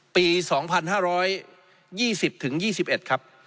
ปี๒๕๒๐๒๑ครับ